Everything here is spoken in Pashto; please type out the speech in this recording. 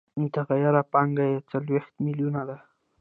متغیره پانګه یې څلوېښت میلیونه ده